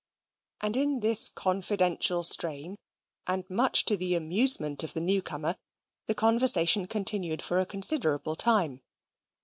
And in this confidential strain, and much to the amusement of the new comer, the conversation continued for a considerable time.